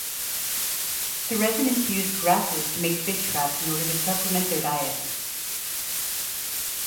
The residents used grasses to make fish traps in order to supplement their diet.